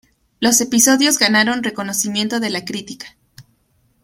Los episodios ganaron reconocimiento de la crítica.